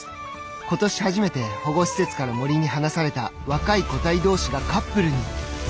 今年初めて保護施設から森に放された若い個体同士がカップルに！